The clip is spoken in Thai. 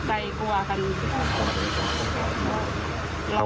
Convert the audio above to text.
คือทุกคนก็ตกใจกลัวกัน